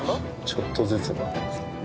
ちょっとずつは。